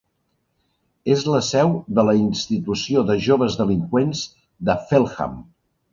És la seu de la institució de joves delinqüents de Feltham.